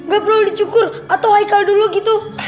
gak perlu dicukur atau hikal dulu gitu